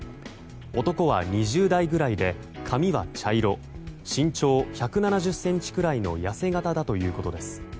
男は２０代ぐらいで髪は茶色身長１７０ｃｍぐらいの痩せ形だということです。